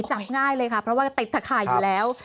จับง่ายเลยค่ะเพราะว่าติดตะข่ายอยู่แล้ว